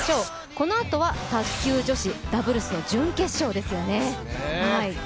このあとは、卓球女子ダブルスの準決勝ですよね。